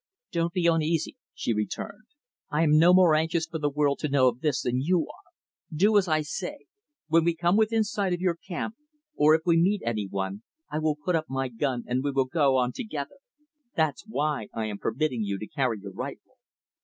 "Don't be uneasy," she returned. "I am no more anxious for the world to know of this, than you are. Do as I say. When we come within sight of your camp, or if we meet any one, I will put up my gun and we will go on together. That's why I am permitting you to carry your rifle."